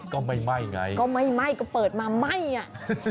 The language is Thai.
ก็ไม่ไหมก็เปิดมาไหม้อ่ะ